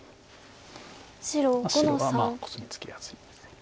白はコスミツケやすいです。